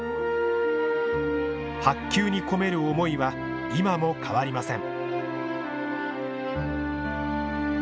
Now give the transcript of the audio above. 白球に込める思いは今も変わりません。